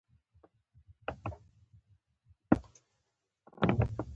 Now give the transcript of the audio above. ایا د غوږونو ستونزه لرئ؟